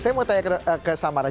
saya mau tanya ke samara